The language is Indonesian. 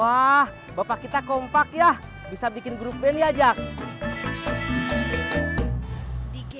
wah bapak kita kompak ya bisa bikin grup band ya jack